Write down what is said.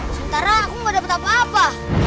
sementara aku gak dapat apa apa